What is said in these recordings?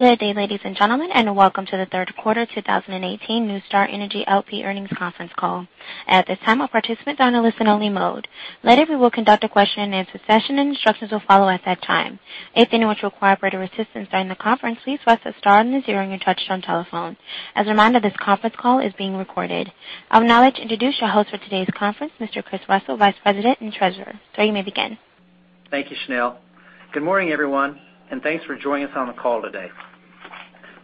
Good day, ladies and gentlemen, welcome to the third quarter 2018 NuStar Energy L.P. earnings conference call. At this time, all participants are on listen-only mode. Later, we will conduct a question-and-answer session, and instructions will follow at that time. If you need operator assistance during the conference, please press star and then zero on your touch-tone telephone. As a reminder, this conference call is being recorded. I will now introduce your host for today's conference, Mr. Chris Russell, Vice President and Treasurer. Sir, you may begin. Thank you, Chenille. Good morning, everyone, and thanks for joining us on the call today.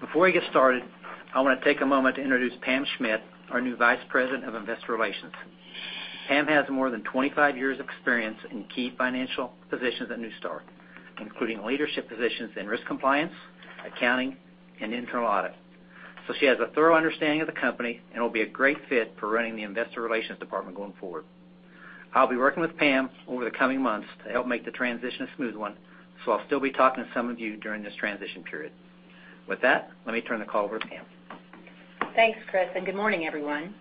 Before we get started, I want to take a moment to introduce Pam Schmidt, our new Vice President of Investor Relations. Pam has more than 25 years of experience in key financial positions at NuStar, including leadership positions in risk compliance, accounting, and internal audit. She has a thorough understanding of the company and will be a great fit for running the Investor Relations department going forward. I'll be working with Pam over the coming months to help make the transition a smooth one, so I'll still be talking to some of you during this transition period. With that, let me turn the call over to Pam. Thanks, Chris, and good morning, everyone.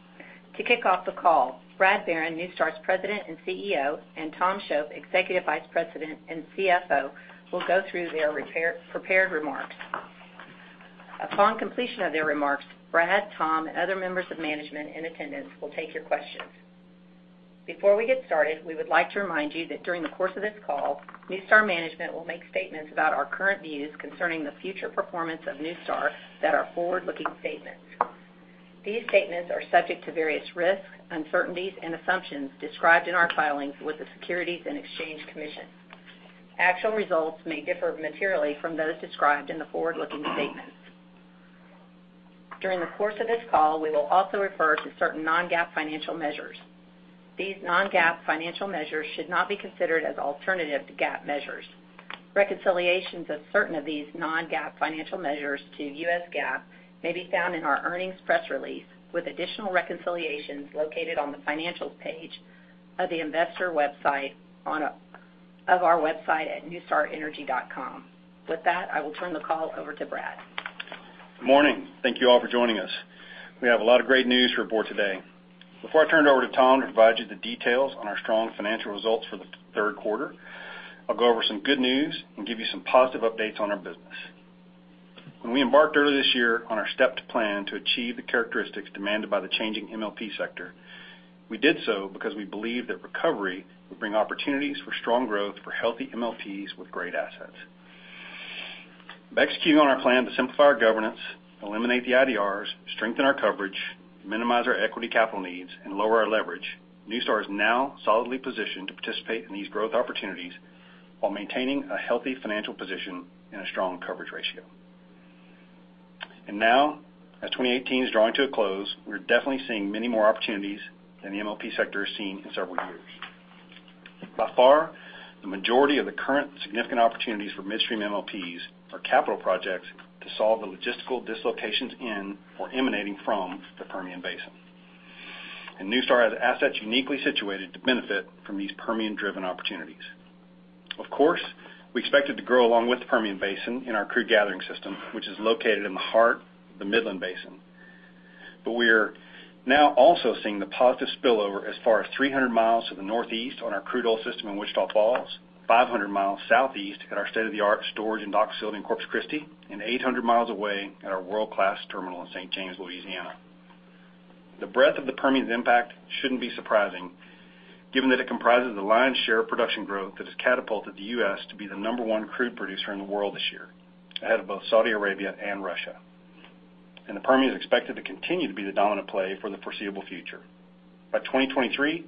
To kick off the call, Brad Barron, NuStar's President and CEO, and Tom Shoaf, Executive Vice President and CFO, will go through their prepared remarks. Upon completion of their remarks, Brad, Tom, and other members of management in attendance will take your questions. Before we get started, we would like to remind you that during the course of this call, NuStar management will make statements about our current views concerning the future performance of NuStar that are forward-looking statements. These statements are subject to various risks, uncertainties, and assumptions described in our filings with the Securities and Exchange Commission. Actual results may differ materially from those described in the forward-looking statements. During the course of this call, we will also refer to certain non-GAAP financial measures. These non-GAAP financial measures should not be considered as alternative to GAAP measures. Reconciliations of certain of these non-GAAP financial measures to US GAAP may be found in our earnings press release, with additional reconciliations located on the Financial page of the investor website of our website at nustarenergy.com. With that, I will turn the call over to Brad. Good morning. Thank you all for joining us. We have a lot of great news to report today. Before I turn it over to Tom Shoaf to provide you the details on our strong financial results for the third quarter, I'll go over some good news and give you some positive updates on our business. When we embarked earlier this year on our stepped plan to achieve the characteristics demanded by the changing MLP sector, we did so because we believe that recovery would bring opportunities for strong growth for healthy MLPs with great assets. By executing on our plan to simplify our governance, eliminate the IDRs, strengthen our coverage, minimize our equity capital needs, and lower our leverage, NuStar is now solidly positioned to participate in these growth opportunities while maintaining a healthy financial position and a strong coverage ratio. Now, as 2018 is drawing to a close, we're definitely seeing many more opportunities than the MLP sector has seen in several years. By far, the majority of the current significant opportunities for midstream MLPs are capital projects to solve the logistical dislocations in or emanating from the Permian Basin. NuStar has assets uniquely situated to benefit from these Permian-driven opportunities. Of course, we expected to grow along with the Permian Basin in our crude gathering system, which is located in the heart of the Midland Basin. We're now also seeing the positive spillover as far as 300 miles to the northeast on our crude oil system in Wichita Falls, 500 miles southeast at our state-of-the-art storage and dock facility in Corpus Christi, and 800 miles away at our world-class terminal in St. James, Louisiana. The breadth of the Permian's impact shouldn't be surprising, given that it comprises the lion's share of production growth that has catapulted the U.S. to be the number one crude producer in the world this year, ahead of both Saudi Arabia and Russia. The Permian is expected to continue to be the dominant play for the foreseeable future. By 2023,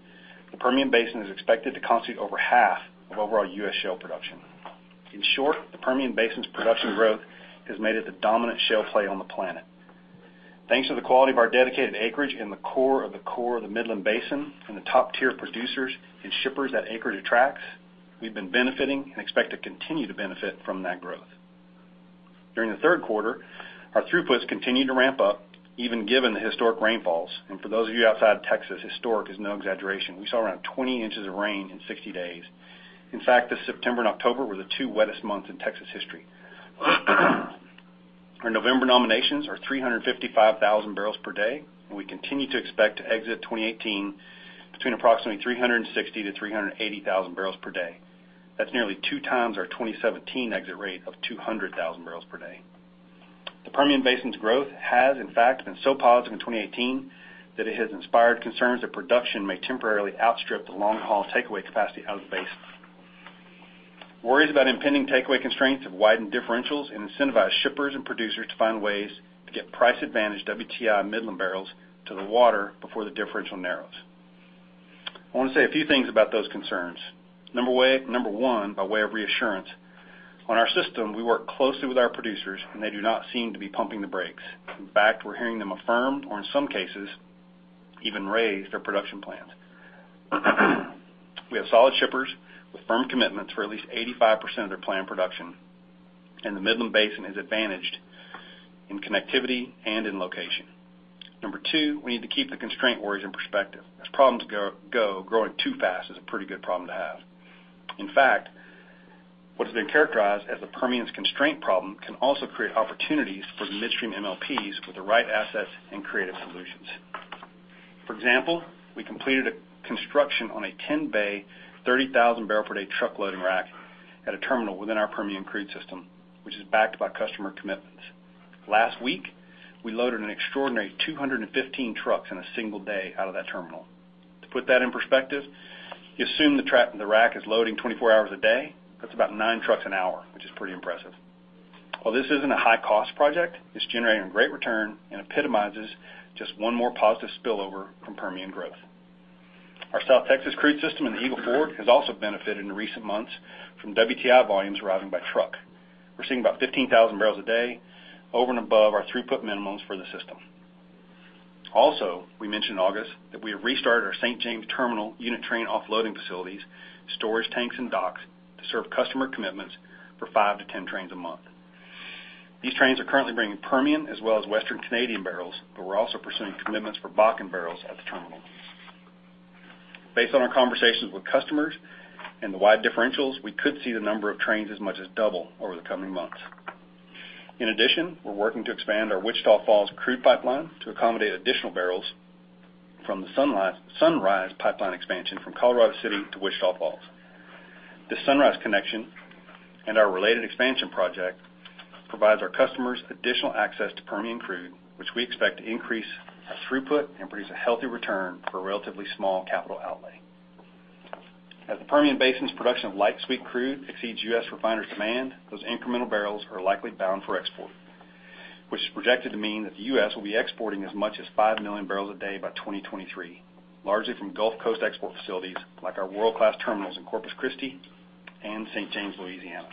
the Permian Basin is expected to constitute over half of overall U.S. shale production. In short, the Permian Basin's production growth has made it the dominant shale play on the planet. Thanks to the quality of our dedicated acreage in the core of the core of the Midland Basin, from the top-tier producers and shippers that acreage attracts, we've been benefiting and expect to continue to benefit from that growth. During the third quarter, our throughputs continued to ramp up, even given the historic rainfalls. For those of you outside of Texas, historic is no exaggeration. We saw around 20 inches of rain in 60 days. In fact, this September and October were the two wettest months in Texas history. Our November nominations are 355,000 barrels per day, and we continue to expect to exit 2018 between approximately 360,000-380,000 barrels per day. That's nearly two times our 2017 exit rate of 200,000 barrels per day. The Permian Basin's growth has, in fact, been so positive in 2018 that it has inspired concerns that production may temporarily outstrip the long-haul takeaway capacity out of the basin. Worries about impending takeaway constraints have widened differentials and incentivized shippers and producers to find ways to get price-advantaged WTI Midland barrels to the water before the differential narrows. I want to say a few things about those concerns. Number one, by way of reassurance, on our system, we work closely with our producers, They do not seem to be pumping the brakes. In fact, we're hearing them affirm or, in some cases, even raise their production plans. We have solid shippers with firm commitments for at least 85% of their planned production, The Midland Basin is advantaged in connectivity and in location. Number two, we need to keep the constraint worries in perspective. As problems go, growing too fast is a pretty good problem to have. In fact, what has been characterized as the Permian's constraint problem can also create opportunities for the midstream MLPs with the right assets and creative solutions. For example, we completed a construction on a 10-bay, 30,000 barrel per day truck loading rack at a terminal within our Permian Crude System, which is backed by customer commitments. Last week, we loaded an extraordinary 215 trucks in a single day out of that terminal. To put that in perspective, you assume the rack is loading 24 hours a day, that's about nine trucks an hour, which is pretty impressive. While this isn't a high-cost project, it's generating a great return and epitomizes just one more positive spillover from Permian growth. Our South Texas Crude System in the Eagle Ford has also benefited in recent months from WTI volumes arriving by truck. We're seeing about 15,000 barrels a day over and above our throughput minimums for the system. Also, we mentioned in August that we have restarted our St. James Terminal unit train offloading facilities, storage tanks, and docks to serve customer commitments for five to 10 trains a month. These trains are currently bringing Permian as well as Western Canadian barrels, We're also pursuing commitments for Bakken barrels at the terminal. Based on our conversations with customers and the wide differentials, we could see the number of trains as much as double over the coming months. In addition, we're working to expand our Wichita Falls Crude Pipeline to accommodate additional barrels from the Sunrise Pipeline expansion from Colorado City to Wichita Falls. This Sunrise connection and our related expansion project provides our customers additional access to Permian crude, which we expect to increase our throughput and produce a healthy return for a relatively small capital outlay. As the Permian Basin's production of light sweet crude exceeds U.S. refiner demand, those incremental barrels are likely bound for export, which is projected to mean that the U.S. will be exporting as much as 5 million barrels a day by 2023, largely from Gulf Coast export facilities like our world-class terminals in Corpus Christi and St. James, Louisiana.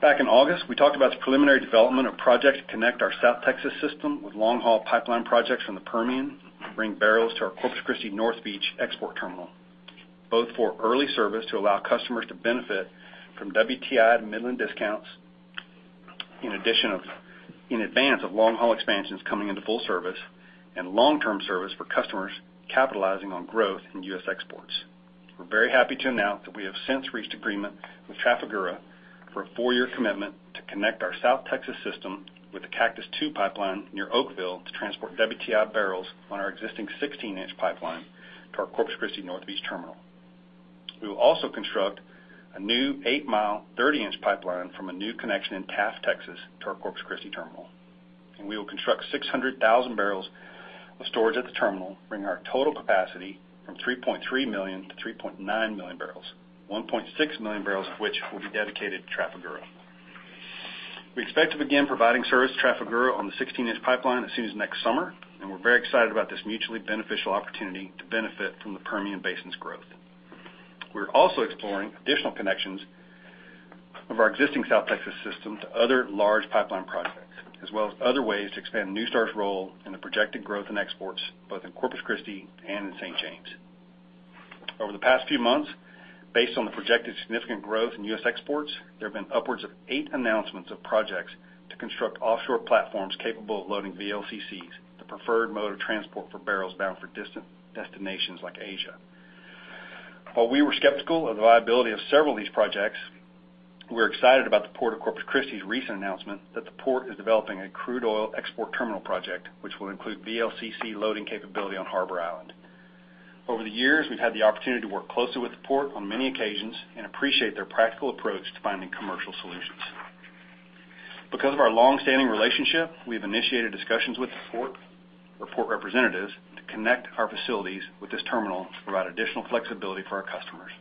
Back in August, we talked about the preliminary development of projects to connect our South Texas system with long-haul pipeline projects from the Permian to bring barrels to our Corpus Christi North Beach export terminal, both for early service to allow customers to benefit from WTI Midland discounts in advance of long-haul expansions coming into full service, and long-term service for customers capitalizing on growth in U.S. exports. We're very happy to announce that we have since reached agreement with Trafigura for a four-year commitment to connect our South Texas system with the Cactus II Pipeline near Oakville to transport WTI barrels on our existing 16-inch pipeline to our Corpus Christi North Beach terminal. We will also construct a new eight-mile, 30-inch pipeline from a new connection in Taft, Texas, to our Corpus Christi terminal. We will construct 600,000 barrels of storage at the terminal, bringing our total capacity from 3.3 million to 3.9 million barrels, 1.6 million barrels of which will be dedicated to Trafigura. We expect to begin providing service to Trafigura on the 16-inch pipeline as soon as next summer. We're very excited about this mutually beneficial opportunity to benefit from the Permian Basin's growth. We're also exploring additional connections of our existing South Texas system to other large pipeline projects, as well as other ways to expand NuStar's role in the projected growth in exports, both in Corpus Christi and in St. James. Over the past few months, based on the projected significant growth in U.S. exports, there have been upwards of eight announcements of projects to construct offshore platforms capable of loading VLCCs, the preferred mode of transport for barrels bound for distant destinations like Asia. While we were skeptical of the viability of several of these projects, we're excited about the Port of Corpus Christi's recent announcement that the Port is developing a crude oil export terminal project, which will include VLCC loading capability on Harbor Island. Over the years, we've had the opportunity to work closely with the Port on many occasions and appreciate their practical approach to finding commercial solutions. Because of our long-standing relationship, we have initiated discussions with the Port representatives to connect our facilities with this terminal to provide additional flexibility for our customers.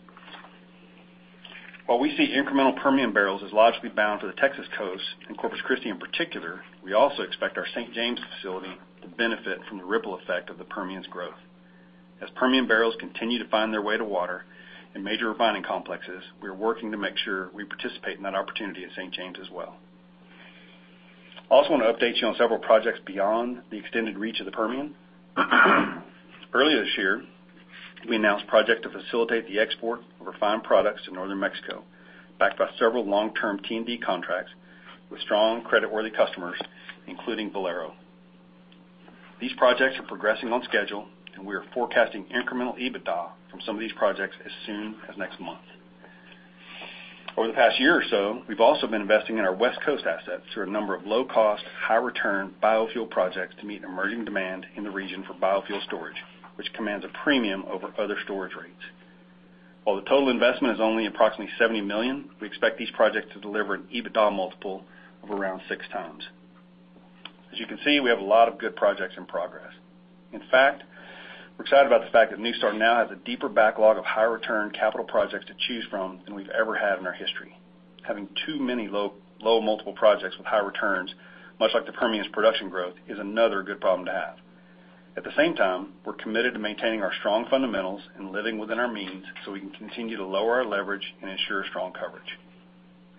While we see incremental Permian barrels as logically bound to the Texas coast and Corpus Christi in particular, we also expect our St. James facility to benefit from the ripple effect of the Permian's growth. As Permian barrels continue to find their way to water and major refining complexes, we are working to make sure we participate in that opportunity at St. James as well. I also want to update you on several projects beyond the extended reach of the Permian. Earlier this year, we announced a project to facilitate the export of refined products to Northern Mexico, backed by several long-term T&B contracts with strong creditworthy customers, including Valero. These projects are progressing on schedule. We are forecasting incremental EBITDA from some of these projects as soon as next month. Over the past year or so, we've also been investing in our West Coast assets through a number of low-cost, high-return biofuel projects to meet emerging demand in the region for biofuel storage, which commands a premium over other storage rates. While the total investment is only approximately $70 million, we expect these projects to deliver an EBITDA multiple of around six times. As you can see, we have a lot of good projects in progress. In fact, we're excited about the fact that NuStar now has a deeper backlog of high-return capital projects to choose from than we've ever had in our history. Having too many low-multiple projects with high returns, much like the Permian's production growth, is another good problem to have. At the same time, we're committed to maintaining our strong fundamentals and living within our means so we can continue to lower our leverage and ensure strong coverage.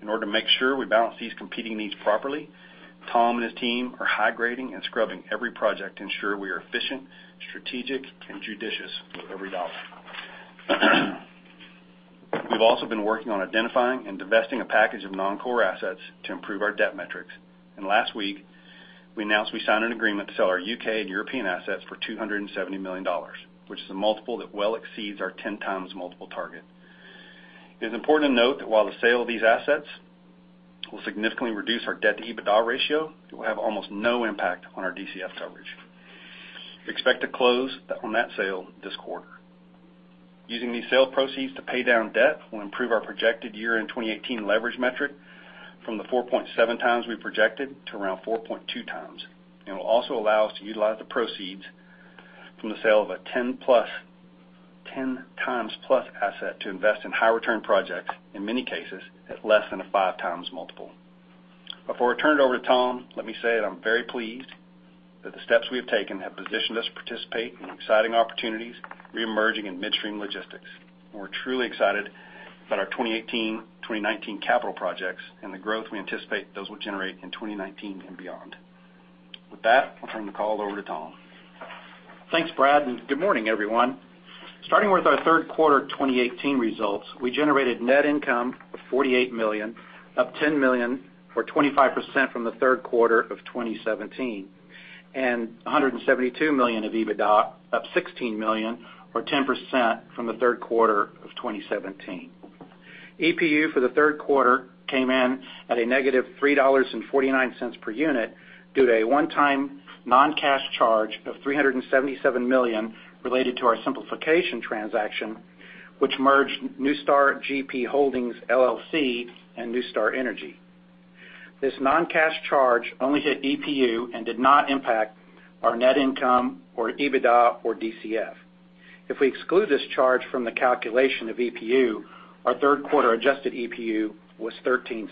In order to make sure we balance these competing needs properly, Tom and his team are high-grading and scrubbing every project to ensure we are efficient, strategic and judicious with every dollar. We've also been working on identifying and divesting a package of non-core assets to improve our debt metrics. Last week, we announced we signed an agreement to sell our U.K. and European assets for $270 million, which is a multiple that well exceeds our 10x multiple target. It is important to note that while the sale of these assets will significantly reduce our debt-to-EBITDA ratio and will have almost no impact on our DCF coverage. We expect to close on that sale this quarter. Using these sale proceeds to pay down debt will improve our projected year-end 2018 leverage metric from the 4.7 times we projected to around 4.2 times, and will also allow us to utilize the proceeds from the sale of a 10x plus asset to invest in high return projects, in many cases, at less than a 5x multiple. Before I turn it over to Tom, let me say that I'm very pleased that the steps we have taken have positioned us to participate in exciting opportunities reemerging in midstream logistics. We're truly excited about our 2018, 2019 capital projects and the growth we anticipate those will generate in 2019 and beyond. With that, I'll turn the call over to Tom. Thanks, Brad. Good morning, everyone. Starting with our third quarter 2018 results, we generated net income of $48 million, up $10 million or 25% from the third quarter of 2017, and $172 million of EBITDA, up $16 million or 10% from the third quarter of 2017. EPU for the third quarter came in at a negative $3.49 per unit due to a one-time non-cash charge of $377 million related to our simplification transaction, which merged NuStar GP Holdings LLC and NuStar Energy. This non-cash charge only hit EPU and did not impact our net income or EBITDA or DCF. If we exclude this charge from the calculation of EPU, our third quarter adjusted EPU was $0.13.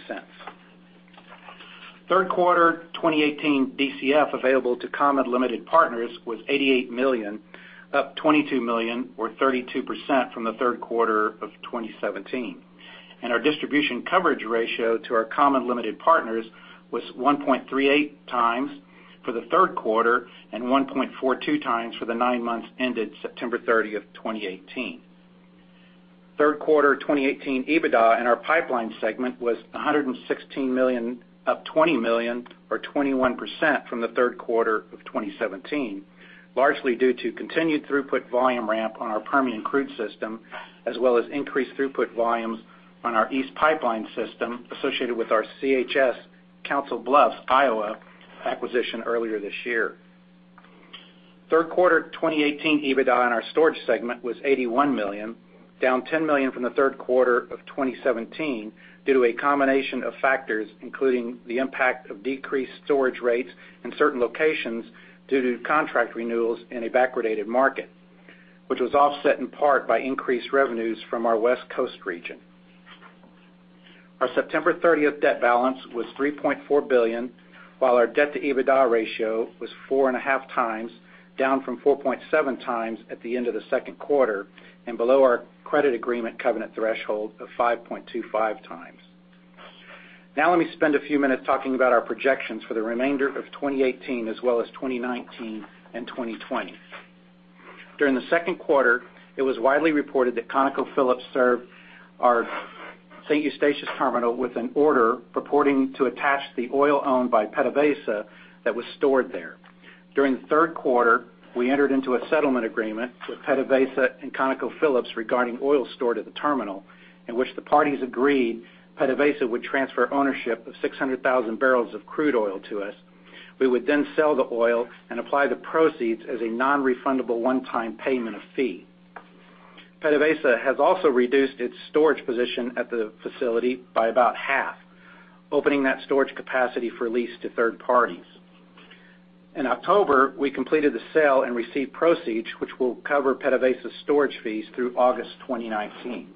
Third quarter 2018 DCF available to common limited partners was $88 million, up $22 million or 32% from the third quarter of 2017. Our distribution coverage ratio to our common limited partners was 1.38 times for the third quarter and 1.42 times for the nine months ended September 30th, 2018. Third quarter 2018 EBITDA in our pipeline segment was $116 million, up $20 million or 21% from the third quarter of 2017, largely due to continued throughput volume ramp on our Permian Crude System, as well as increased throughput volumes on our East Pipeline System associated with our CHS Council Bluffs, Iowa acquisition earlier this year. Third quarter 2018 EBITDA in our storage segment was $81 million, down $10 million from the third quarter of 2017 due to a combination of factors, including the impact of decreased storage rates in certain locations due to contract renewals in a backwardated market, which was offset in part by increased revenues from our West Coast region. Our September 30th debt balance was $3.4 billion, while our debt-to-EBITDA ratio was 4.5 times, down from 4.7 times at the end of the second quarter and below our credit agreement covenant threshold of 5.25 times. Let me spend a few minutes talking about our projections for the remainder of 2018 as well as 2019 and 2020. During the second quarter, it was widely reported that ConocoPhillips served our St. Eustatius terminal with an order purporting to attach the oil owned by PDVSA that was stored there. During the third quarter, we entered into a settlement agreement with PDVSA and ConocoPhillips regarding oil stored at the terminal, in which the parties agreed PDVSA would transfer ownership of 600,000 barrels of crude oil to us. We would then sell the oil and apply the proceeds as a non-refundable one-time payment of fee. PDVSA has also reduced its storage position at the facility by about half, opening that storage capacity for lease to third parties. In October, we completed the sale and received proceeds, which will cover PDVSA's storage fees through August 2019.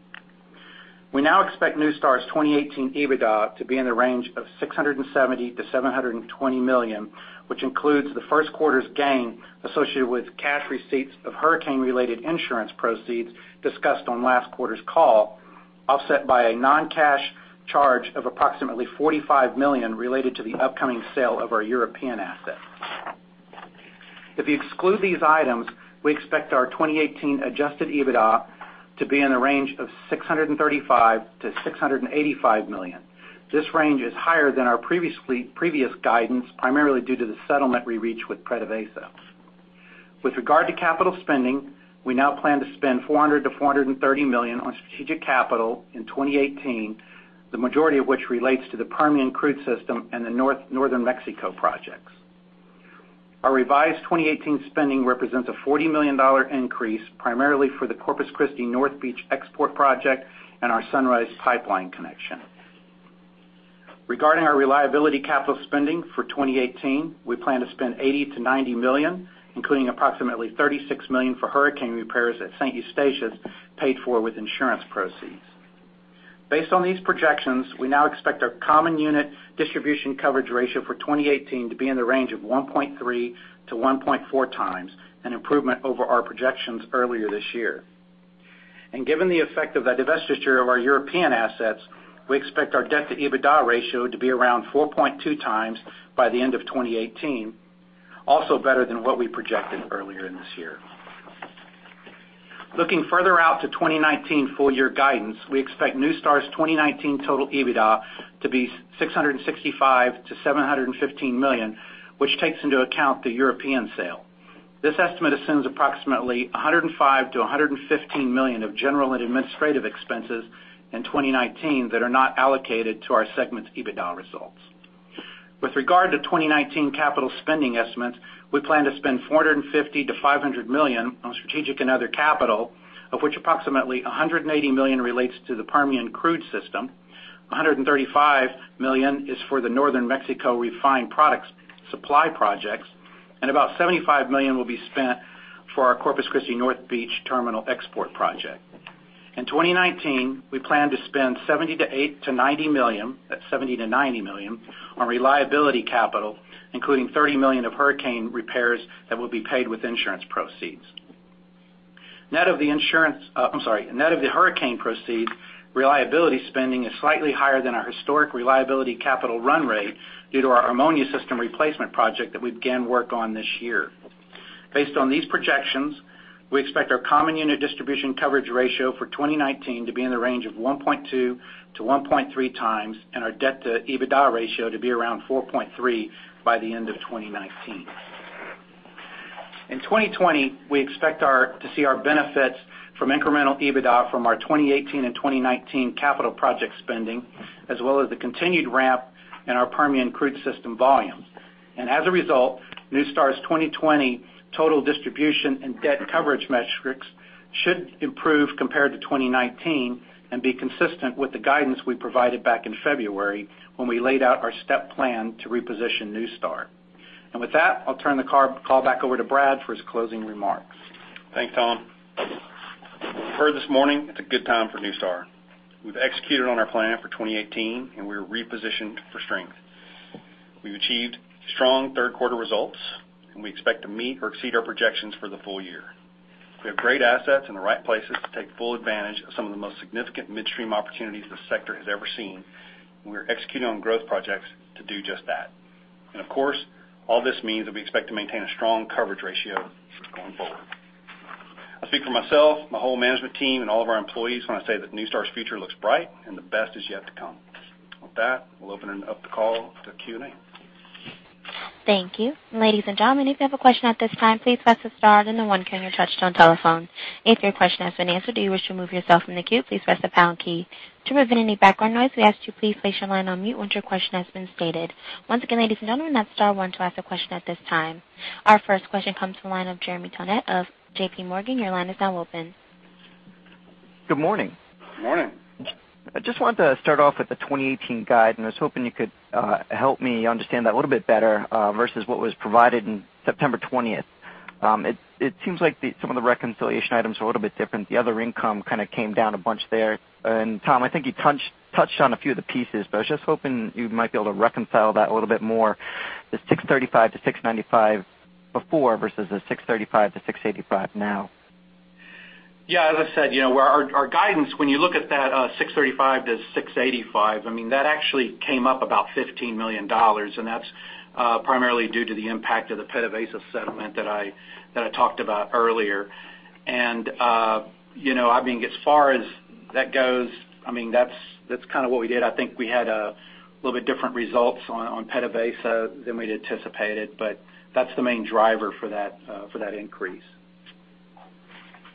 We now expect NuStar's 2018 EBITDA to be in the range of $670 million-$720 million, which includes the first quarter's gain associated with cash receipts of hurricane-related insurance proceeds discussed on last quarter's call, offset by a non-cash charge of approximately $45 million related to the upcoming sale of our European assets. If you exclude these items, we expect our 2018 adjusted EBITDA to be in the range of $635 million-$685 million. This range is higher than our previous guidance, primarily due to the settlement we reached with PDVSA. With regard to capital spending, we now plan to spend $400 million-$430 million on strategic capital in 2018, the majority of which relates to the Permian Crude System and the Northern Mexico projects. Our revised 2018 spending represents a $40 million increase, primarily for the Corpus Christi North Beach export project and our Sunrise Pipeline connection. Regarding our reliability capital spending for 2018, we plan to spend $80 million-$90 million, including approximately $36 million for hurricane repairs at St. Eustatius, paid for with insurance proceeds. Based on these projections, we now expect our common unit distribution coverage ratio for 2018 to be in the range of 1.3-1.4 times, an improvement over our projections earlier this year. Given the effect of the divestiture of our European assets, we expect our debt-to-EBITDA ratio to be around 4.2 times by the end of 2018, also better than what we projected earlier in this year. Looking further out to 2019 full-year guidance, we expect NuStar's 2019 total EBITDA to be $665 million-$715 million, which takes into account the European sale. This estimate assumes approximately $105 million-$115 million of general and administrative expenses in 2019 that are not allocated to our segment's EBITDA results. With regard to 2019 capital spending estimates, we plan to spend $450 million-$500 million on strategic and other capital, of which approximately $180 million relates to the Permian Crude System, $135 million is for the Northern Mexico refined products supply projects, and about $75 million will be spent for our Corpus Christi North Beach terminal export project. In 2019, we plan to spend $70 million-$90 million on reliability capital, including $30 million of hurricane repairs that will be paid with insurance proceeds. Net of the hurricane proceeds, reliability spending is slightly higher than our historic reliability capital run rate due to our ammonia system replacement project that we began work on this year. Based on these projections, we expect our common unit distribution coverage ratio for 2019 to be in the range of 1.2 to 1.3 times, and our debt to EBITDA ratio to be around 4.3 by the end of 2019. In 2020, we expect to see our benefits from incremental EBITDA from our 2018 and 2019 capital project spending, as well as the continued ramp in our Permian Crude System volumes. As a result, NuStar's 2020 total distribution and debt coverage metrics should improve compared to 2019 and be consistent with the guidance we provided back in February, when we laid out our step plan to reposition NuStar. With that, I'll turn the call back over to Brad for his closing remarks. Thanks, Tom. You heard this morning, it's a good time for NuStar. We've executed on our plan for 2018, and we're repositioned for strength. We've achieved strong third-quarter results, and we expect to meet or exceed our projections for the full year. We have great assets in the right places to take full advantage of some of the most significant midstream opportunities this sector has ever seen, and we're executing on growth projects to do just that. Of course, all this means that we expect to maintain a strong coverage ratio going forward. I speak for myself, my whole management team, and all of our employees when I say that NuStar's future looks bright and the best is yet to come. With that, we'll open up the call to Q&A. Thank you. Ladies and gentlemen, if you have a question at this time, please press the star then the one key on your touch-tone telephone. If your question has been answered or you wish to remove yourself from the queue, please press the pound key. To prevent any background noise, we ask you please place your line on mute once your question has been stated. Once again, ladies and gentlemen, that's star one to ask a question at this time. Our first question comes from the line of Jeremy Tonet of J.P. Morgan. Your line is now open. Good morning. Morning. I was hoping you could help me understand that a little bit better versus what was provided in September 20th. It seems like some of the reconciliation items are a little bit different. The other income kind of came down a bunch there. Tom, I think you touched on a few of the pieces, but I was just hoping you might be able to reconcile that a little bit more, the $635-$695 before versus the $635-$685 now. As I said, our guidance, when you look at that $635-$685, that actually came up about $15 million, and that's primarily due to the impact of the PDVSA settlement that I talked about earlier. As far as that goes, that's kind of what we did. I think we had a little bit different results on PDVSA than we'd anticipated, but that's the main driver for that increase.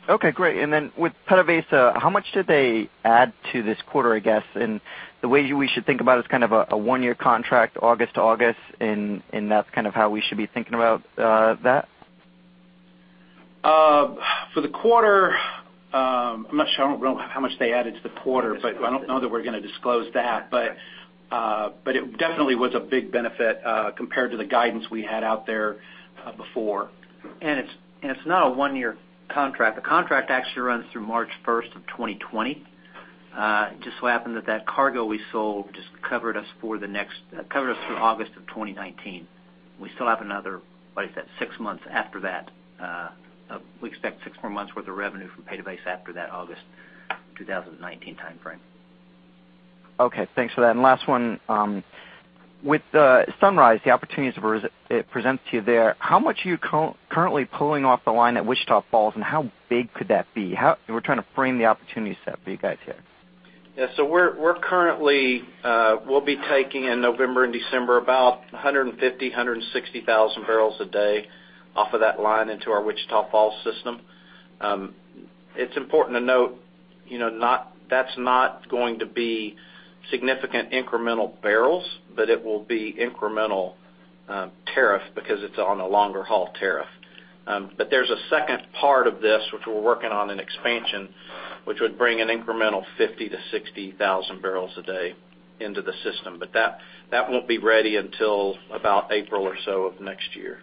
Okay, great. Then with PDVSA, how much did they add to this quarter, I guess? The way we should think about it is kind of a one-year contract August to August, and that's kind of how we should be thinking about that? For the quarter, I'm not sure. I don't know how much they added to the quarter. I don't know that we're going to disclose that. It definitely was a big benefit compared to the guidance we had out there before. It's not a one-year contract. The contract actually runs through March 1st of 2020. It just so happened that that cargo we sold just covered us through August of 2019. We still have another, what is that, six months after that. We expect six more months worth of revenue from PDVSA after that August 2019 timeframe. Okay, thanks for that. Last one. With Sunrise, the opportunities it presents to you there, how much are you currently pulling off the line at Wichita Falls, and how big could that be? We're trying to frame the opportunity set for you guys here. We'll be taking in November and December about 150,000 to 160,000 barrels a day off of that line into our Wichita Falls system. It's important to note that's not going to be significant incremental barrels, but it will be incremental tariff because it's on a longer-haul tariff. There's a second part of this, which we're working on an expansion, which would bring an incremental 50,000 to 60,000 barrels a day into the system. That won't be ready until about April or so of next year.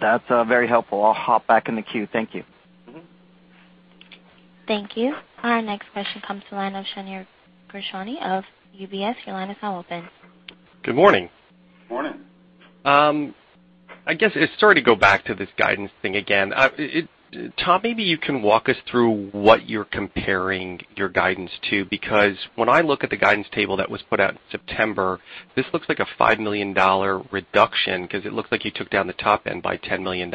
That's very helpful. I'll hop back in the queue. Thank you. Thank you. Our next question comes to the line of Shneur Gershuni of UBS. Your line is now open. Good morning. Morning. I guess, sorry to go back to this guidance thing again. Tom, maybe you can walk us through what you're comparing your guidance to because when I look at the guidance table that was put out in September, this looks like a $5 million reduction because it looks like you took down the top end by $10 million.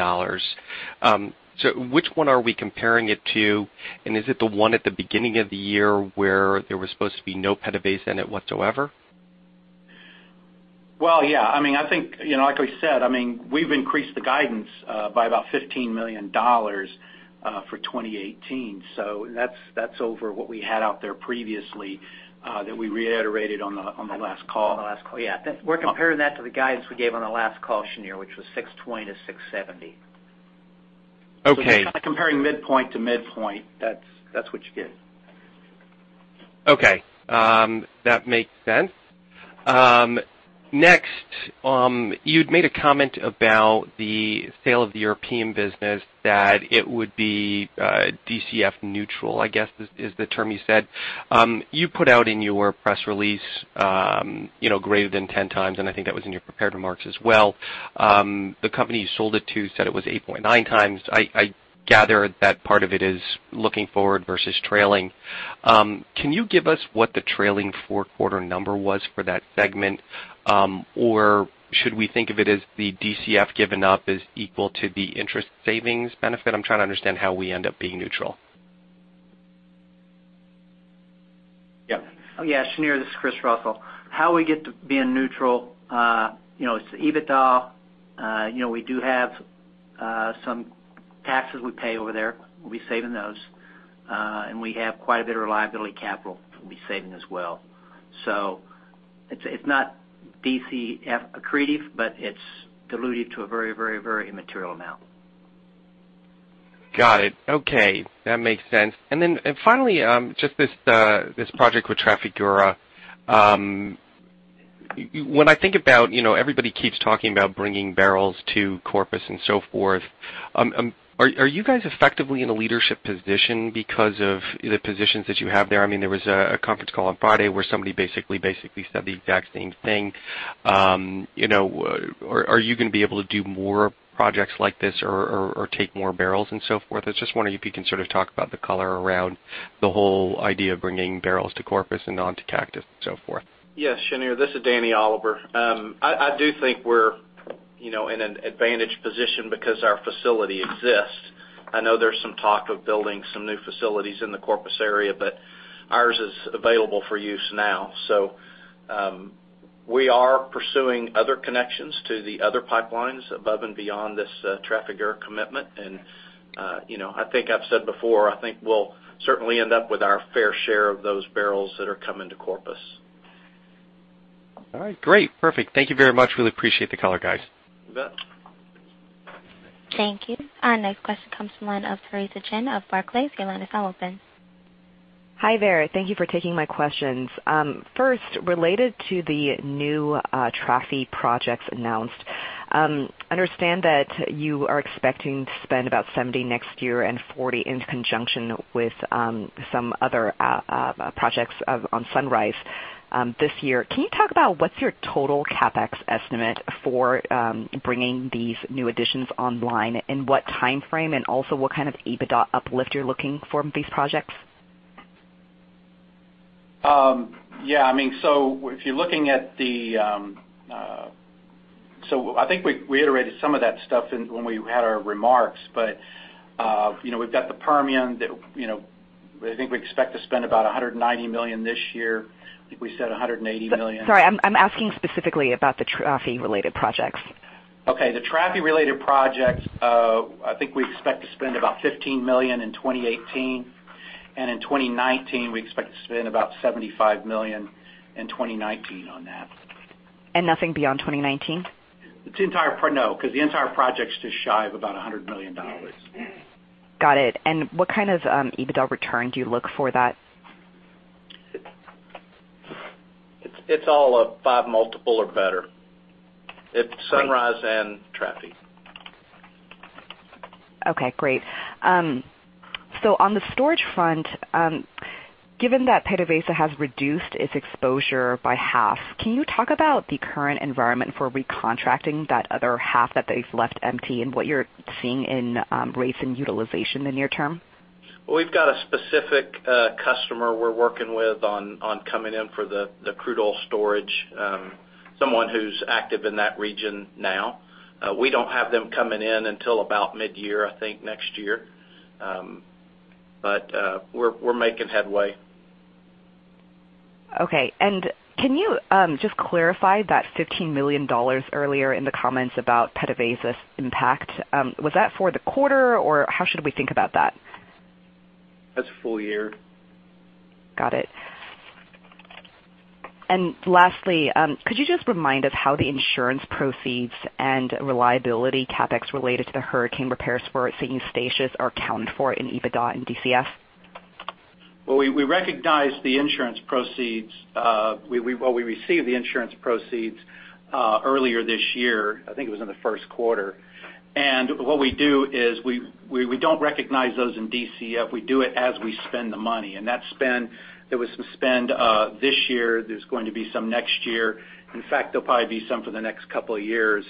So which one are we comparing it to? Is it the one at the beginning of the year where there was supposed to be no PDVSA in it whatsoever? Well, yeah, I think, like we said, we've increased the guidance by about $15 million for 2018. That's over what we had out there previously that we reiterated on the last call. On the last call, yeah. We're comparing that to the guidance we gave on the last call, Shneur, which was 620 to 670. Okay. Comparing midpoint to midpoint, that's what you get. Okay. That makes sense. Next, you'd made a comment about the sale of the European business that it would be DCF neutral, I guess is the term you said. You put out in your press release greater than 10x, and I think that was in your prepared remarks as well. The company you sold it to said it was 8.9x. I gather that part of it is looking forward versus trailing. Can you give us what the trailing four-quarter number was for that segment? Or should we think of it as the DCF given up is equal to the interest savings benefit? I'm trying to understand how we end up being neutral. Yeah. Yeah, Shneur, this is Chris Russell. How we get to being neutral, it's EBITDA. We do have some taxes we pay over there. We'll be saving those. We have quite a bit of reliability capital we'll be saving as well. It's not DCF accretive, but it's dilutive to a very immaterial amount. Got it. Okay. That makes sense. Finally, just this project with Trafigura. When I think about everybody keeps talking about bringing barrels to Corpus and so forth, are you guys effectively in a leadership position because of the positions that you have there? There was a conference call on Friday where somebody basically said the exact same thing. Are you going to be able to do more projects like this or take more barrels and so forth? I just wonder if you can sort of talk about the color around the whole idea of bringing barrels to Corpus and onto Cactus and so forth. Yes, Shneur. This is Danny Oliver. I do think we're in an advantaged position because our facility exists. I know there's some talk of building some new facilities in the Corpus area, but ours is available for use now. We are pursuing other connections to the other pipelines above and beyond this Trafigura commitment, and I think I've said before, I think we'll certainly end up with our fair share of those barrels that are coming to Corpus. All right, great. Perfect. Thank you very much. Really appreciate the color, guys. You bet. Thank you. Our next question comes from the line of Theresa Chen of Barclays. Your line is now open. Hi there. Thank you for taking my questions. First, related to the new Trafigura projects announced. Understand that you are expecting to spend about $70 million next year and $40 million in conjunction with some other projects on Sunrise Pipeline this year. Can you talk about what's your total CapEx estimate for bringing these new additions online, in what timeframe, and also what kind of EBITDA uplift you're looking for from these projects? Yeah. I think we reiterated some of that stuff when we had our remarks. We've got the Permian that I think we expect to spend about $190 million this year. I think we said $180 million. Sorry, I'm asking specifically about the Trafigura-related projects. Okay. The Trafigura-related projects, I think we expect to spend about $15 million in 2018. In 2019, we expect to spend about $75 million in 2019 on that. Nothing beyond 2019? No, because the entire project's just shy of about $100 million. Got it. What kind of EBITDA return do you look for that? It's all a five multiple or better. It's Sunrise and Trafig. Okay, great. On the storage front, given that PDVSA has reduced its exposure by half, can you talk about the current environment for recontracting that other half that they've left empty and what you're seeing in rates and utilization in the near term? We've got a specific customer we're working with on coming in for the crude oil storage, someone who's active in that region now. We don't have them coming in until about mid-year, I think, next year. We're making headway. Okay. Can you just clarify that $15 million earlier in the comments about PDVSA's impact? Was that for the quarter, or how should we think about that? That's full year. Got it. Lastly, could you just remind us how the insurance proceeds and reliability CapEx related to the hurricane repairs for St. Eustatius are accounted for in EBITDA and DCF? Well, we recognized the insurance proceeds. Well, we received the insurance proceeds earlier this year, I think it was in the first quarter. What we do is we don't recognize those in DCF. We do it as we spend the money. That spend, there was some spend this year. There's going to be some next year. In fact, there'll probably be some for the next couple of years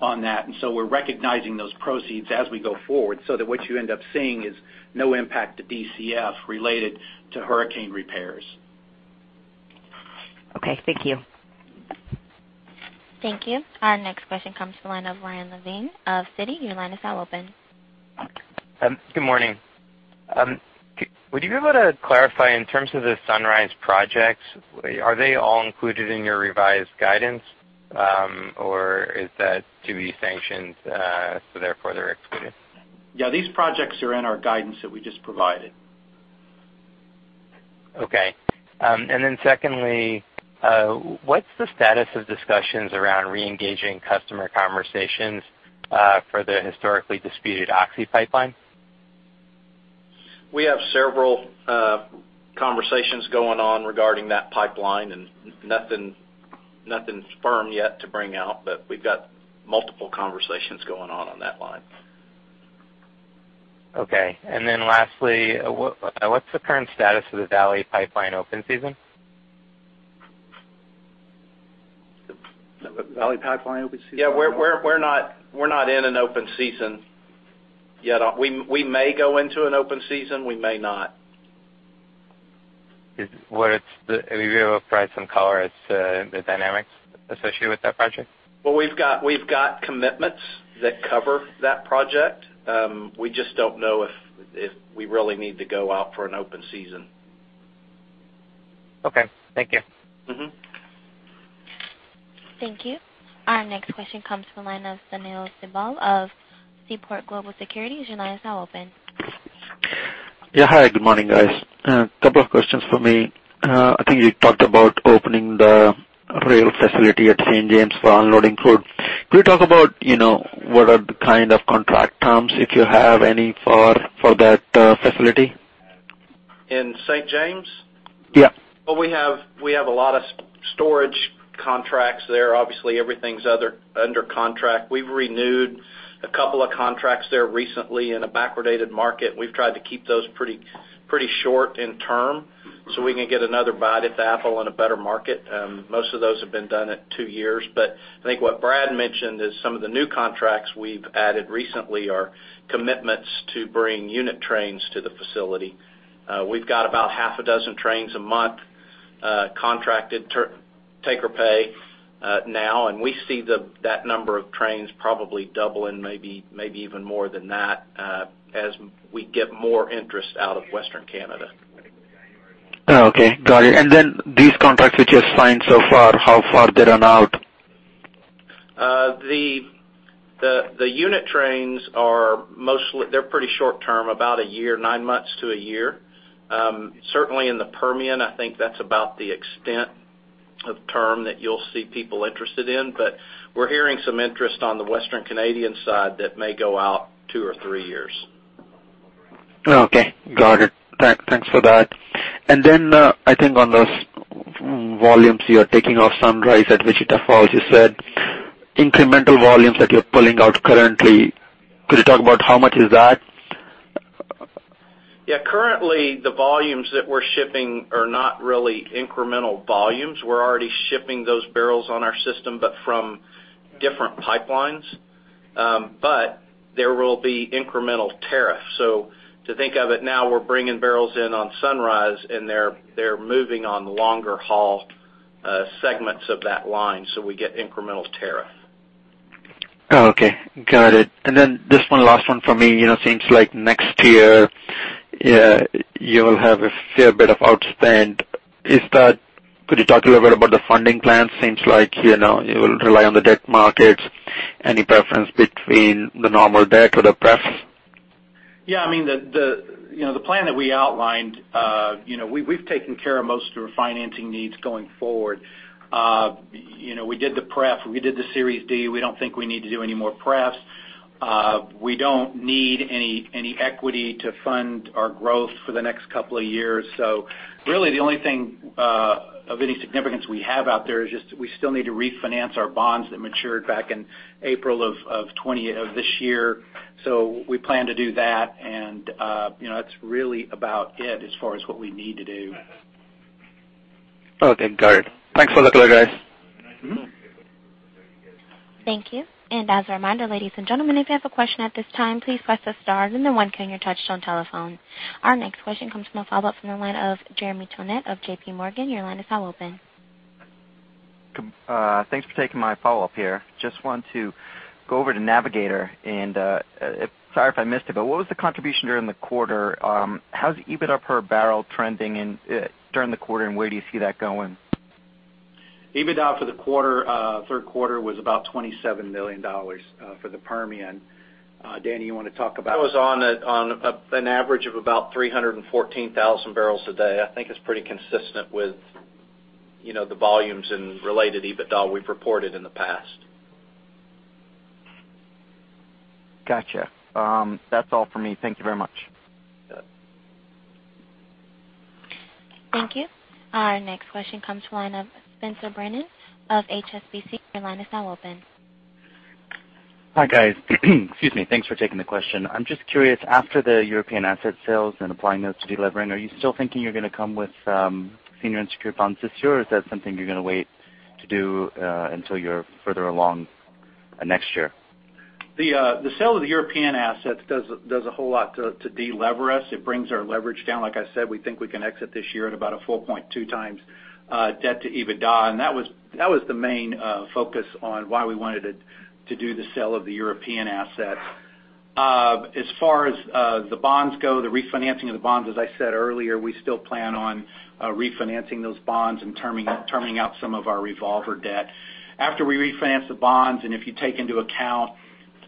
on that. So we're recognizing those proceeds as we go forward so that what you end up seeing is no impact to DCF related to hurricane repairs. Okay, thank you. Thank you. Our next question comes from the line of Ryan Levine of Citi. Your line is now open. Good morning. Would you be able to clarify, in terms of the Sunrise projects, are they all included in your revised guidance? Is that to be sanctioned, so therefore, they're excluded? Yeah, these projects are in our guidance that we just provided. Okay. Secondly, what's the status of discussions around re-engaging customer conversations for the historically disputed Oxy pipeline? We have several conversations going on regarding that pipeline and nothing firm yet to bring out. We've got multiple conversations going on on that line. Okay. Then lastly, what's the current status of the Valley Pipeline open season? Valley Pipeline open season? Yeah, we're not in an open season yet. We may go into an open season. We may not. If you were to provide some color as to the dynamics associated with that project? Well, we've got commitments that cover that project. We just don't know if we really need to go out for an open season. Okay. Thank you. Thank you. Our next question comes from the line of Sunil Sibal of Seaport Global Securities. Your line is now open. Yeah. Hi, good morning, guys. A couple of questions for me. I think you talked about opening the rail facility at St. James for unloading crude. Could you talk about what are the kind of contract terms, if you have any, for that facility? In St. James? Yeah. Well, we have a lot of storage contracts there. Obviously, everything's under contract. We've renewed a couple of contracts there recently in a backwardated market. We've tried to keep those pretty short in term so we can get another bite at the apple in a better market. Most of those have been done at two years. I think what Brad Barron mentioned is some of the new contracts we've added recently are commitments to bring unit trains to the facility. We've got about half a dozen trains a month contracted take or pay now, and we see that number of trains probably doubling, maybe even more than that, as we get more interest out of Western Canada. Oh, okay. Got it. Then these contracts, which is fine so far, how far they run out? The unit trains are pretty short-term, about a year, nine months to a year. Certainly in the Permian, I think that's about the extent of term that you'll see people interested in. We're hearing some interest on the Western Canadian side that may go out two or three years. Oh, okay. Got it. Thanks for that. Then, I think on those volumes you're taking off Sunrise at Wichita Falls, you said. Incremental volumes that you're pulling out currently, could you talk about how much is that? Yeah. Currently, the volumes that we're shipping are not really incremental volumes. We're already shipping those barrels on our system, but from different pipelines. There will be incremental tariff. To think of it now, we're bringing barrels in on Sunrise, and they're moving on longer haul segments of that line, so we get incremental tariff. Oh, okay. Got it. This one last one for me. Seems like next year, you'll have a fair bit of outspend. Could you talk a little bit about the funding plan? Seems like you will rely on the debt markets. Any preference between the normal debt or the pref? Yeah. The plan that we outlined, we've taken care of most of our financing needs going forward. We did the pref, we did the Series D. We don't think we need to do any more pref. We don't need any equity to fund our growth for the next couple of years. Really, the only thing of any significance we have out there is just we still need to refinance our bonds that matured back in April of this year. We plan to do that, and that's really about it as far as what we need to do. Okay, got it. Thanks for the color, guys. Thank you. As a reminder, ladies and gentlemen, if you have a question at this time, please press the star then the one key on your touchtone telephone. Our next question comes from a follow-up from the line of Jeremy Tonet of JPMorgan. Your line is now open. Thanks for taking my follow-up here. Just want to go over to Navigator, sorry if I missed it, but what was the contribution during the quarter? How's EBITDA per barrel trending during the quarter, and where do you see that going? EBITDA for the quarter, third quarter, was about $27 million for the Permian. Danny, That was on an average of about 314,000 barrels a day. I think it's pretty consistent with the volumes and related EBITDA we've reported in the past. Gotcha. That's all for me. Thank you very much. Thank you. Our next question comes from the line of Spencer Brennan of HSBC. Your line is now open. Hi, guys. Excuse me. Thanks for taking the question. I'm just curious, after the European asset sales and applying those to de-levering, are you still thinking you're going to come with senior unsecured bonds this year, or is that something you're going to wait to do until you're further along next year? The sale of the European assets does a whole lot to de-lever us. It brings our leverage down. Like I said, we think we can exit this year at about a 4.2x debt to EBITDA, and that was the main focus on why we wanted to do the sale of the European assets. As far as the bonds go, the refinancing of the bonds, as I said earlier, we still plan on refinancing those bonds and terming out some of our revolver debt. After we refinance the bonds, and if you take into account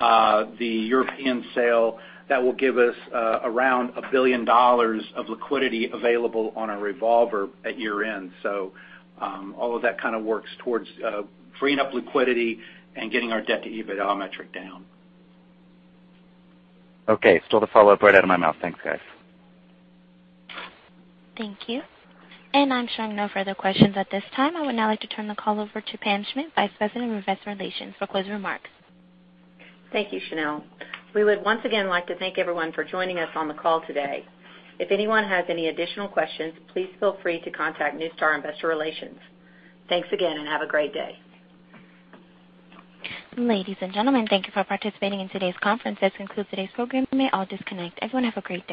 the European sale, that will give us around $1 billion of liquidity available on our revolver at year-end. All of that kind of works towards freeing up liquidity and getting our debt to EBITDA metric down. Okay. Stole the follow-up right out of my mouth. Thanks, guys. Thank you. I'm showing no further questions at this time. I would now like to turn the call over to Pam Schmidt, Vice President of Investor Relations, for closing remarks. Thank you, Chenille. We would once again like to thank everyone for joining us on the call today. If anyone has any additional questions, please feel free to contact NuStar Investor Relations. Thanks again. Have a great day. Ladies and gentlemen, thank you for participating in today's conference. This concludes today's program. You may all disconnect. Everyone have a great day.